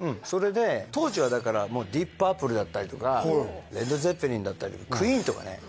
うんそれで当時はだからディープ・パープルだったりとかレッド・ツェッペリンだったりクイーンとかね